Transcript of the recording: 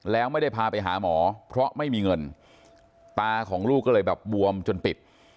แล้วไม่ได้พาไปหาหมอเพราะไม่มีเงินตาของลูกก็เลยแบบบวมจนปิด